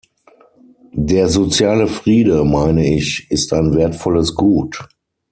Der soziale Friede, meine ich, ist ein wertvolles Gut.